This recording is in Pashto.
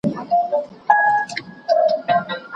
اخلاقي کمیټه څه کار کوي؟